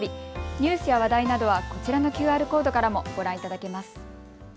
ニュースや話題などはこちらのＱＲコードからもご覧いただけます。